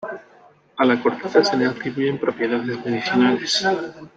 A la corteza se le atribuyen propiedades medicinales.